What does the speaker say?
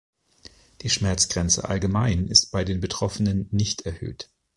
Die Schmerzgrenze allgemein ist bei den Betroffenen nicht erhöht.